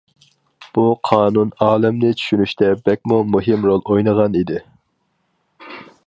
بۇ قانۇن ئالەمنى چۈشىنىشتە بەكمۇ مۇھىم رول ئوينىغان ئىدى.